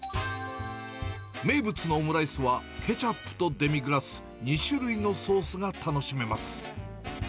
名物のオムライスは、ケチャップとデミグラス、２種類のソースが楽しめます。